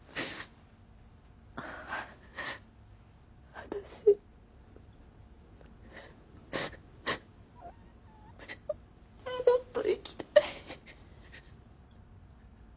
私もっと生きたい。